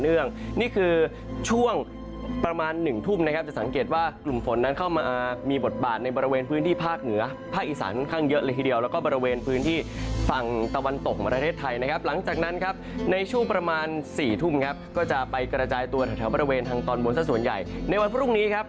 นี่คือช่วงประมาณหนึ่งทุ่มนะครับจะสังเกตว่ากลุ่มฝนนั้นเข้ามามีบทบาทในบริเวณพื้นที่ภาคเหนือภาคอีสานค่อนข้างเยอะเลยทีเดียวแล้วก็บริเวณพื้นที่ฝั่งตะวันตกของประเทศไทยนะครับหลังจากนั้นครับในช่วงประมาณ๔ทุ่มครับก็จะไปกระจายตัวแถวบริเวณทางตอนบนสักส่วนใหญ่ในวันพรุ่งนี้ครับ